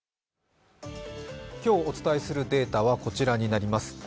今日お伝えするデータはこちらになります。